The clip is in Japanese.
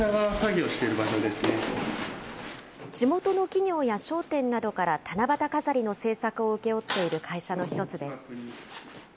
地元の企業や商店などから、七夕飾りの製作を請け負っている会社の１つです。